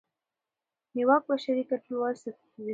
نیواک بشري کډوالۍ زیاتوي.